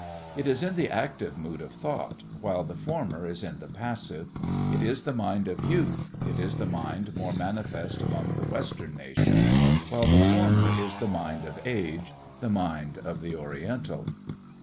It is in the active mood of thought, while the former is in the passive; it is the mind of youth, it is the mind more manifest among the western nations, while the former is the mind of age, the mind of the oriental.